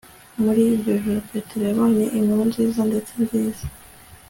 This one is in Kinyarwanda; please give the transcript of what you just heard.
muri iryo joro, petero yabonye inkuru nziza, ndetse nziza